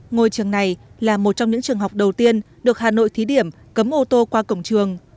ngôi trường này là một trong những trường học đầu tiên được hà nội thí điểm cấm ô tô qua cổng trường